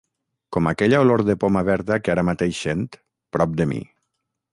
Com aquella olor de poma verda que ara mateix sent, prop de mi.